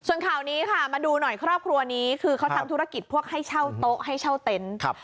ส่วนข่าวนี้ค่ะมาดูหน่อยครอบครัวนี้คือเขาทำธุรกิจพวกให้เช่าโต๊ะให้เช่าเต็นต์